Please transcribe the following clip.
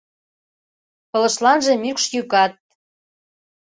Пылышланже мӱкш йӱкат